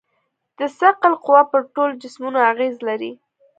د ثقل قوه پر ټولو جسمونو اغېز لري.